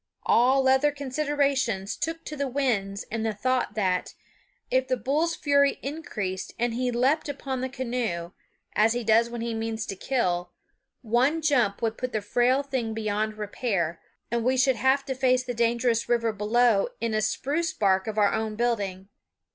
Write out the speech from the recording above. All other considerations took to the winds in the thought that, if the bull's fury increased and he leaped upon the canoe, as he does when he means to kill, one jump would put the frail thing beyond repair, and we should have to face the dangerous river below in a spruce bark of our own building.